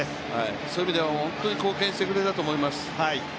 そういう意味では本当に貢献してくれたと思います。